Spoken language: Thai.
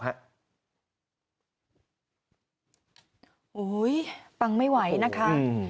โอ้โหปังไม่ไหวนะคะ